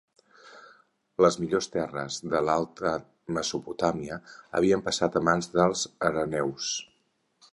Les millors terres de l'alta Mesopotàmia havien passat a mans dels arameus.